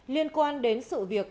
liên quan đến sự việc